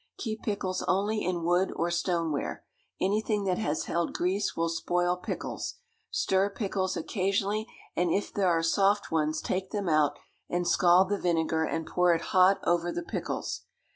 Keep pickles only in wood or stone ware. Anything that has held grease will spoil pickles. Stir pickles occasionally, and if there are soft ones take them out, and scald the vinegar, and pour it hot over the pickles.